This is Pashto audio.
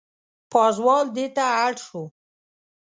پازوال دېته اړ شو.